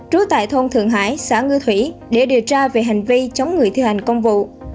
trú tại thôn thượng hải xã ngư thủy để điều tra về hành vi chống người thi hành công vụ